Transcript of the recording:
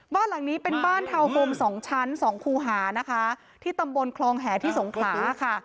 บ้านหลังนี้เป็นบ้านทาวน์โฮมสองชั้นสองคูหานะคะที่ตำบลคลองแหที่สงขลาค่ะ